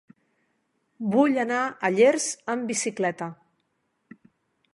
Vull anar a Llers amb bicicleta.